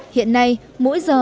hiện nay mỗi giờ